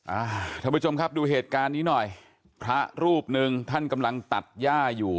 ท่านผู้ชมครับดูเหตุการณ์นี้หน่อยพระรูปหนึ่งท่านกำลังตัดย่าอยู่